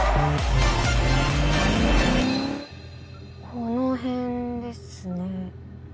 この辺ですね。